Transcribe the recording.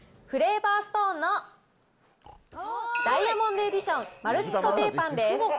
フレーバーストーンのダイヤモンドエディションマルチソテーパンです。